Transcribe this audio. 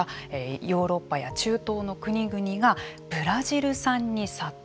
ヨーロッパや中東の国々がブラジル産に殺到。